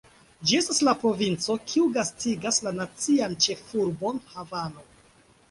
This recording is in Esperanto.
Ĝi estas la provinco kiu gastigas la nacian ĉefurbon, Havano.